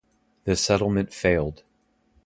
The settlement failed.